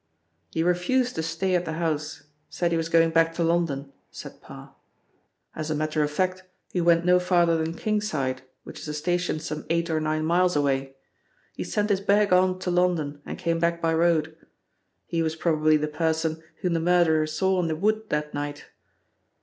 "He refused to stay at the house, said he was going back to London," said Parr. "As a matter of fact, he went no farther than Kingside, which is a station some eight or nine miles away. He sent his bag on to London and came back by road. He was probably the person whom the murderer saw in the wood that night.